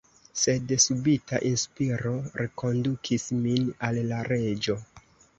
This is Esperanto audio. Sed subita inspiro rekondukis min al la Reĝo.